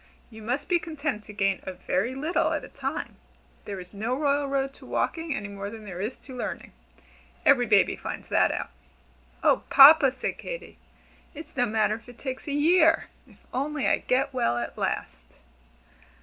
You must be content to gain a very little at a time. There is no royal road to walking any more than there is to learning. Every baby finds that out." "Oh, Papa!" said Katy, "it's no matter if it takes a year if only I get well at last."